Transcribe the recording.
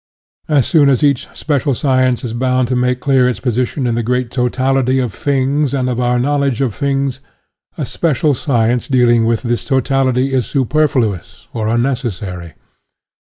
As soon as each special science is bound to make clear its position in the great totality of things and of our knowledge of things, a UTOPIAN AND SCIENTIFIC 89 special science dealing with this totality is superfluous or unnecessary.